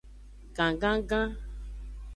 Gangangan.